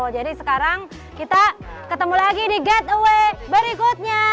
jadi sekarang kita ketemu lagi di getaway berikutnya